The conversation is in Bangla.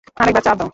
আরেকবার চাপ দাও।